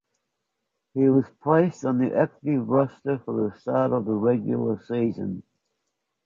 He was placed on the active roster for the start of the regular season.